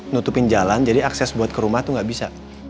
nutupin jalan jadi akses buat ke rumah tuh nggak bisa